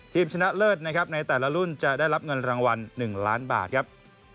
ชนะเลิศนะครับในแต่ละรุ่นจะได้รับเงินรางวัล๑ล้านบาทครับ